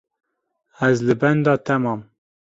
Ez li benda te mam.